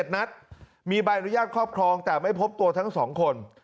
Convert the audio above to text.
๗นัดมีใบอนุญาตครอบครองแต่ไม่พบตัวทั้ง๒คน